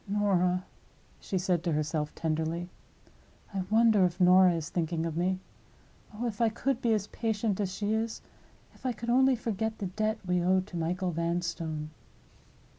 "Norah!" she said to herself, tenderly; "I wonder if Norah is thinking of me? Oh, if I could be as patient as she is! If I could only forget the debt we owe to Michael Vanstone!"